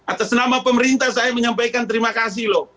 atas nama pemerintah saya menyampaikan terima kasih loh